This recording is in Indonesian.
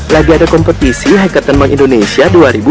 lagi ada kompetisi haitan bank indonesia dua ribu dua puluh